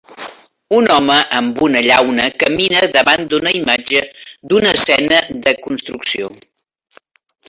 Un home amb una llauna camina davant d'una imatge d'una escena de construcció.